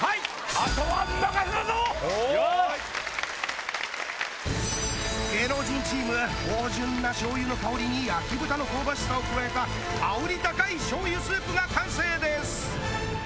はい芸能人チーム芳醇なしょう油の香りに焼き豚の香ばしさを加えた香り高いしょう油スープが完成です！